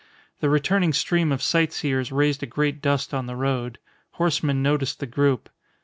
The returning stream of sightseers raised a great dust on the road. Horsemen noticed the group.